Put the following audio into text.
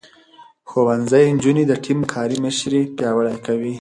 ښوونځی نجونې د ټيم کار مشري پياوړې کوي.